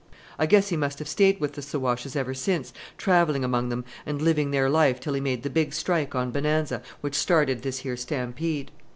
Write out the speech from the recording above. I guess he must have stayed with the Siwashes ever since, travelling among them and living their life till he made the big strike on Bonanza, which started this here stampede.